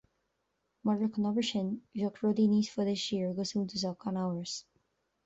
Murach an obair sin bheadh rudaí níos faide siar go suntasach gan amhras